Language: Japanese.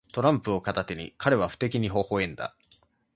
トランプを片手に、彼は不敵にほほ笑んだ。